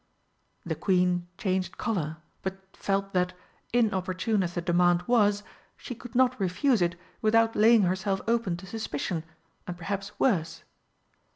The Queen changed colour, but felt that, inopportune as the demand was, she could not refuse it without laying herself open to suspicion, and perhaps worse.